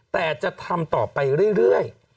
แต่จะทำต่อไปเรื่อย